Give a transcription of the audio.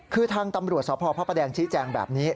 คือทางตำรวจสพพแดงชิ้นแจ้งแบบนี้